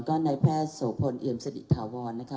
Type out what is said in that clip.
ก็นายแพทย์โสพลเอ๋ยมสดิตถาวรนะคะ